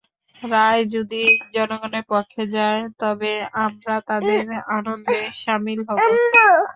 রায় যদি জনগণের পক্ষে যায়, তবে আমরা তাদের আনন্দে শামিল হব।